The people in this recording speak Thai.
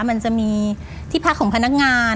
มันจะมีที่พักของพนักงาน